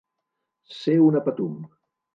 Ser una patum.